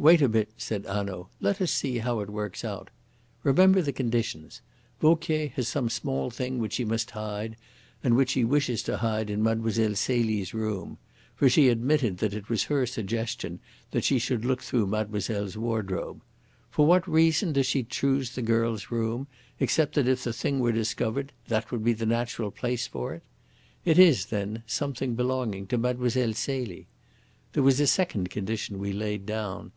"Wait a bit," said Hanaud. "Let us see how it works out. Remember the conditions. Vauquier has some small thing which she must hide, and which she wishes to hide in Mlle. Celie's room. For she admitted that it was her suggestion that she should look through mademoiselle's wardrobe. For what reason does she choose the girl's room, except that if the thing were discovered that would be the natural place for it? It is, then, something belonging to Mlle. Celie. There was a second condition we laid down.